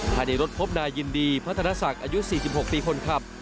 ภายในรถพบนายยินดีพัฒนาศักดิ์อายุ๔๖ปีคนขับ